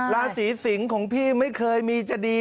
ราศีสิงศ์ของพี่ไม่เคยมีจะดี